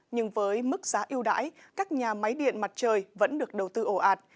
nhưng với mức giá yêu đãi các nhà máy điện mặt trời vẫn được đầu tư ổ ạt